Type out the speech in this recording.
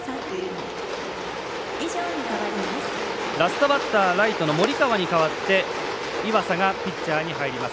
ラストバッターライトの森川に代わって岩佐がピッチャーに入ります。